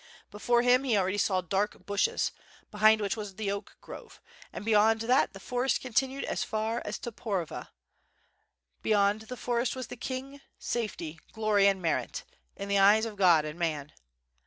Before him he already saw dark bushes, behind which was the oak grove, and beyond that the forest continued as far as Toporova; be yond the forest was the king, safety, glory, and merit, in the eyes of God and man.